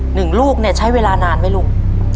หนึ่งลูกเนี่ยใช้เวลานานไหมลุง